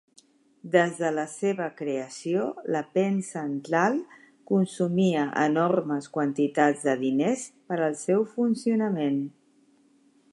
Des de la seva creació, la Penn Central consumia enormes quantitats de diners per al seu funcionament.